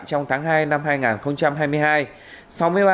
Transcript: trong tháng hai năm hai nghìn hai mươi hai